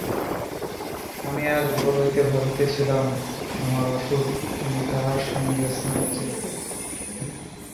আমি আজ ভোর হইতে ভাবিতেছিলাম, আমার অসুখ, তুমি কাহার সঙ্গে স্নানে যাইবে।